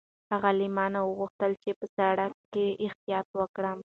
هغې له ما نه وغوښتل چې په سړک کې احتیاط وکړم.